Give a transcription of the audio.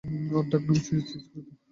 তার ডাক নাম চিচিরিতো।